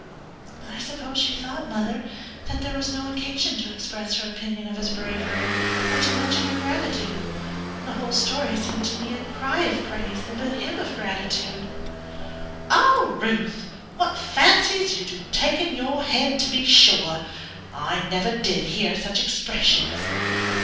"I suppose she thought, mother, that there was no occasion to express her opinion of his bravery or to mention her gratitude. The whole story seemed to me a cry of praise and a hymn of gratitude." "Lord, Ruth, what fancies you do take in your head, to be sure! I never did hear such expressions!"